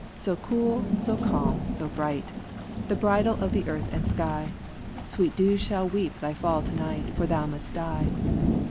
so cool, so calm, so bright, The bridal of the earth and sky, Sweet dews shall weep thy fall to night, For thou must die.